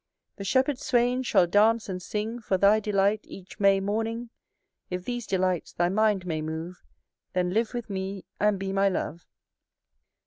The shepherd swains shall dance and sing For thy delight, each May morning. If these delights thy mind may move, Then live with me, and be my love.